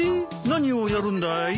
何をやるんだい？